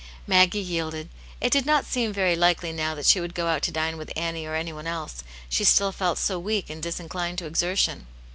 Maggie yielded ; it did not seem very likely now that she would go out to dine with Annie or any one else; she still felt so weak and disinclined to ■ exertion.